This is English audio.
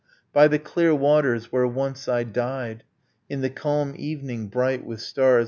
. 'By the clear waters where once I died ... In the calm evening bright with stars